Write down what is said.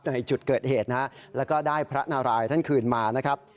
ในจุดเกิดเหตุนะฮะแล้วก็ได้พระนารายท่านคืนมานะครับ